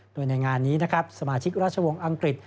โดยในงานนี้นะครับสมาชิกราชวงศ์อังกฤษ